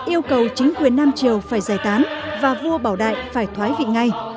yêu cầu chính quyền nam triều phải giải tán và vua bảo đại phải thoái vị ngay